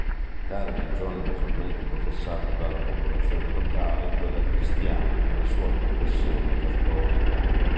La religione maggiormente professata dalla popolazione locale è quella cristiana, nella sua confessione cattolica.